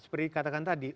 seperti katakan tadi